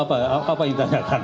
apa yang ditanyakan